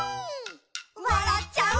「わらっちゃう」